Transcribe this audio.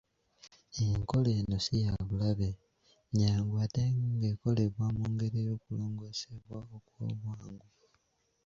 Enkola eno si ya bulabe, nnyangu ate ng’ekolebwa mu ngeri y’okulongoosebwa okw’obwangu.